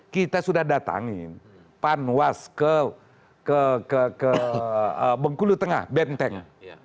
kita sudah datangin panwas ke bengkulu tengah benteng